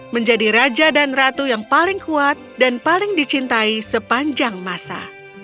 menjadi raja dan ratu yang paling kuat dan paling dicintai sepanjang masa